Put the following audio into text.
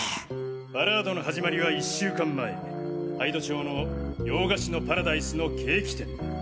バラードの始まりは１週間前杯戸町の「洋菓子のパラダイス」のケーキ店で。